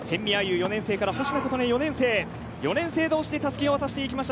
４年生から保科琴音４年生４年生同士でたすきを渡しました。